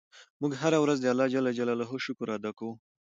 موږ هر وخت د اللهﷻ شکر ادا کوو.